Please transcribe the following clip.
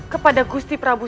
kepada gusti prabu